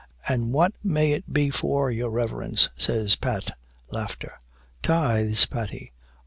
'And what may it be for, your Riverence!' says Pat. 'Tithes! Paddy.'